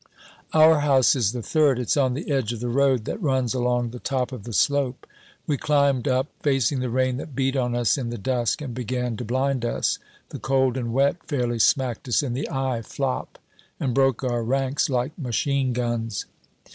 "Our house is the third. It's on the edge of the road that runs along the top of the slope. We climbed up, facing the rain that beat on us in the dusk and began to blind us the cold and wet fairly smacked us in the eye, flop! and broke our ranks like machine guns.